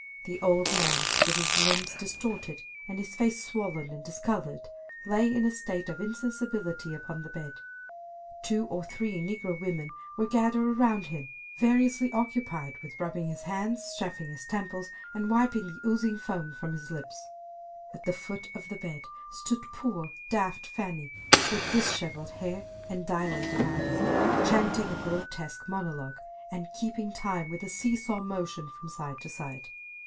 The old man, with his limbs distorted, and his face swollen and discolored, lay in a state of insensibility upon the bed. Two or three negro women were gathered around him, variously occupied with rubbing his hands, chafing his temples and wiping the oozing foam from his lips. At the foot of the bed stood poor daft Fanny, with disheveled hair and dilated eyes, chanting a grotesque monologue, and keeping time with a see saw motion from side to side.